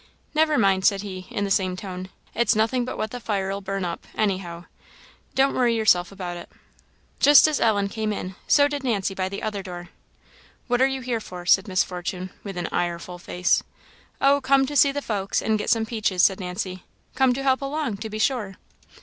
"Never mind," said he, in the same tone "it's nothing but what the fire'll burn up, anyhow; don't worry yourself about it." Just as Ellen came in, so did Nancy by the other door. "What are you here for?" said Miss, Fortune with an ireful face. "Oh, come to see the folks, and get some peaches," said Nancy; "come to help along, to be sure."